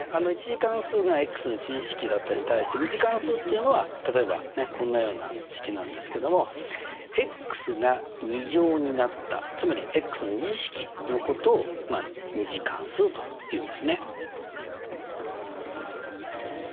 １次関数がの１次式だったのに対して２次関数っていうのは例えばこんなような式なんですけども。が２乗になったつまりの２次式のこ２次関数というんですね。